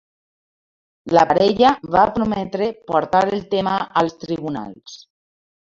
La parella va prometre portar el tema als tribunals.